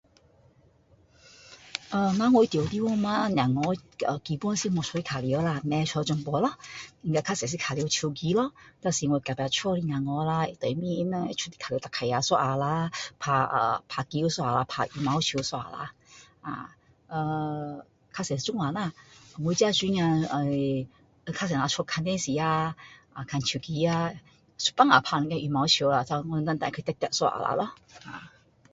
啊，我住的地方吗，小孩基本是无出来玩耍啦，躲屋全部啦，他们较多是玩手机咯，但是我隔壁家的小孩啦，对面他们会出来踏脚车一下啦。打 ahh 打球一下啦,打羽毛球一下啦。ahh 较多是这样啦。我自己女儿 ehh 较多在家看电视啦，看手机啊。一半下打一点羽毛球啦，我带他去跑跑一下啦咯。